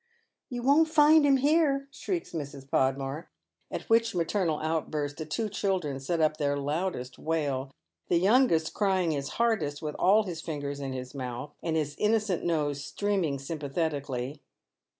" You won't find him here," shrieks Mrs. Podmore ; at which maternal outburst the two cliikhen set up their loudest wail, the youngest crying his hardest with all his fingers in his mouth, and his innocent nose streaming sympathetically.